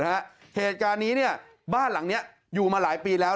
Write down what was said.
เหตุการณ์นี้เนี่ยบ้านหลังนี้อยู่มาหลายปีแล้ว